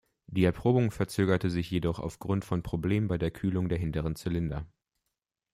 Die Erprobung verzögerte sich jedoch aufgrund von Problemen bei der Kühlung der hinteren Zylinder.